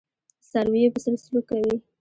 څارویو په څېر سلوک کوي.